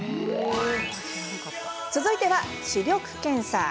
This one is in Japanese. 続いては、視力検査。